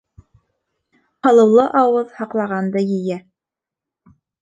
Һалыулы ауыҙ һаҡлағанды ейә.